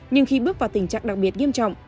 nhưng khi bước vào tình trạng đặc biệt nghiêm trọng